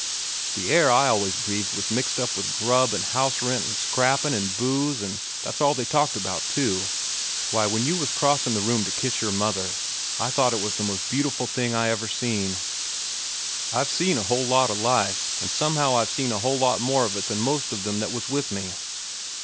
The air I always breathed was mixed up with grub an' house rent an' scrappin' an booze an' that's all they talked about, too. Why, when you was crossin' the room to kiss your mother, I thought it was the most beautiful thing I ever seen. I've seen a whole lot of life, an' somehow I've seen a whole lot more of it than most of them that was with me.